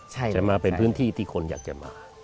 แต่มาเป็นพื้นที่ที่คนอยากจะมา